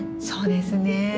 そうですね。